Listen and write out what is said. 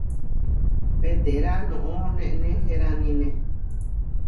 Peterá noʼó neneheránine.